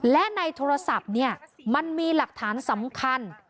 และในโทรศัพท์เนี่ยมันมีหลักฐานสำคัญ